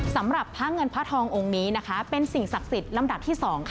สำหรับพระเงินพระทององค์นี้นะคะเป็นสิ่งศักดิ์สิทธิ์ลำดับที่๒